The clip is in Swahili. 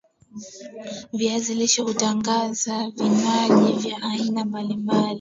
viazi lishe hutengeneza vinywaji vya aina mbalimbali